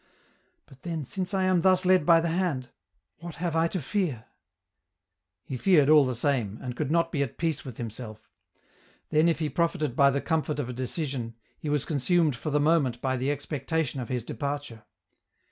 " But then, since I am thus led by the hand, what have I to fear ?" He feared all the same, and could not be at peace with himself ; then if he profited by the comfort of a decision, he was consumed for the moment by the expectation of his departure.